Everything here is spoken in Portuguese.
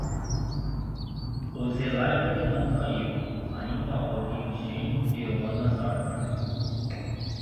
O zlibrary não caiu, ainda há o libgen e o anna's archive